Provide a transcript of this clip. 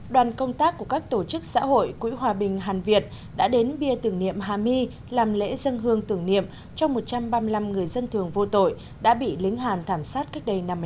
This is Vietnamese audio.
đoàn công tác của các tổ chức xã hội quỹ hòa bình hàn việt đã đến bia tưởng niệm hà mi làm lễ dân hương tưởng niệm cho một trăm ba mươi năm người dân thường vô tội đã bị lính hàn thảm sát cách đây năm mươi năm